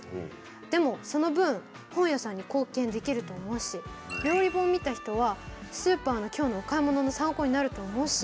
でもその分本屋さんに貢献できると思うし料理本を見た人はスーパーの今日のお買い物の参考になると思うし。